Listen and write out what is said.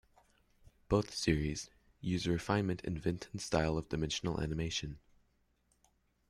Both series used a refinement in Vinton's style of dimensional animation.